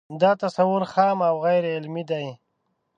دا تصور خام او غیر علمي دی